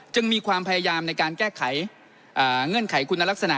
มีความพยายามในการแก้ไขเงื่อนไขคุณลักษณะ